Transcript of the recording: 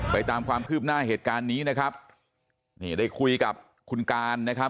ตามความคืบหน้าเหตุการณ์นี้นะครับนี่ได้คุยกับคุณการนะครับ